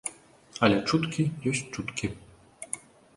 Але чуткі ёсць чуткі.